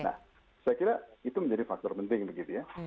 nah saya kira itu menjadi faktor penting begitu ya